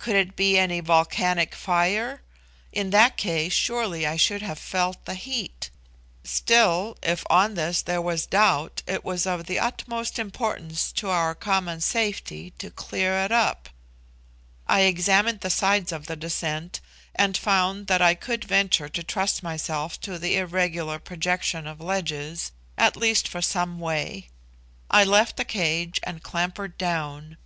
Could it be any volcanic fire? In that case, surely I should have felt the heat. Still, if on this there was doubt, it was of the utmost importance to our common safety to clear it up. I examined the sides of the descent, and found that I could venture to trust myself to the irregular projection of ledges, at least for some way. I left the cage and clambered down.